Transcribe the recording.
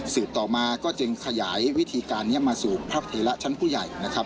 ต่อมาก็จึงขยายวิธีการนี้มาสู่พระเถระชั้นผู้ใหญ่นะครับ